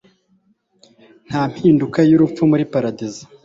nta mpinduka y'urupfu muri paradizo